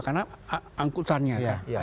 karena angkutannya kan